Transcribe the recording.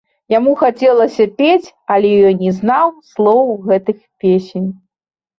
Яму хацелася пець, але ён не знаў слоў гэтых песень.